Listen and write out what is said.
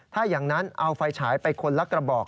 ถ้าอย่างนั้นเอาไฟฉายไปคนละกระบอก